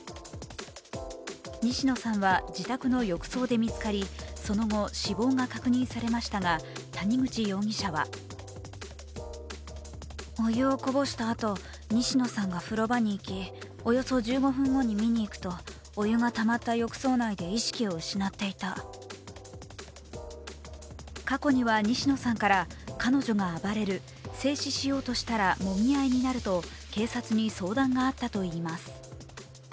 西野さんは自宅の浴槽で見つかり、その後、死亡が確認されましたが谷口容疑者は過去には西野さんから彼女が暴れる、制止しようとしたらもみ合いになると警察に相談があったといいます。